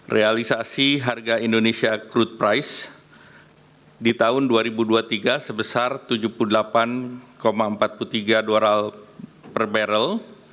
realisasi harga indonesia crude price di tahun dua ribu dua puluh tiga sebesar tujuh puluh delapan empat puluh tiga dua per barrel